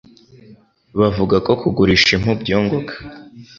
Bavuga ko kugurisha impu byunguka